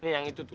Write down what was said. yang itu tuh